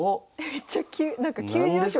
めっちゃ急。